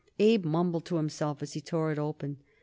Abe mumbled to himself as he tore it open.